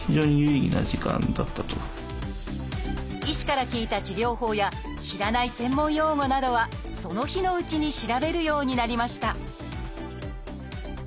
医師から聞いた治療法や知らない専門用語などはその日のうちに調べるようになりました